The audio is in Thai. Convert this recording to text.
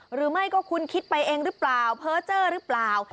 หรือไม่ก็คุณคิดไปเองหรือเปล่าเพอร์เจอร์หรือเปล่า